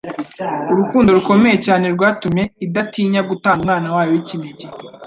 urukundo rukomeye cyane rwatumye idatinya gutanga Umwana wayo w'ikinege